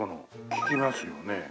聞きますよね。